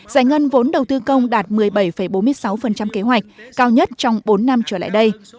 giải ngân vốn đầu tư công đạt một mươi bảy bốn mươi sáu kế hoạch cao nhất trong bốn năm trở lại đây